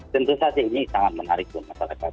tentu saja ini sangat menarik